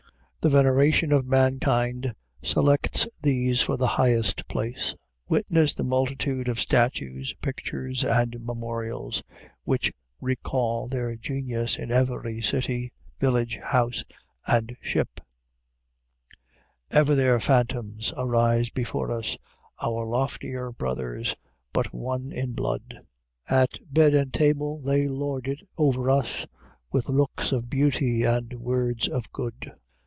The veneration of mankind selects these for the highest place. Witness the multitude of statues, pictures, and memorials which recall their genius in every city, village, house, and ship: "Ever their phantoms arise before us, Our loftier brothers, but one in blood; At bed and table they lord it o'er us, With looks of beauty, and words of good."